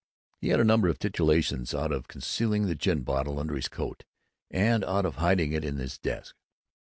He had a number of titillations out of concealing the gin bottle under his coat and out of hiding it in his desk.